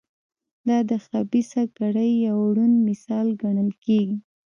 دا د خبیثه کړۍ یو روڼ مثال ګڼل کېږي.